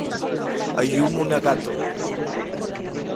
Ayumu Nagato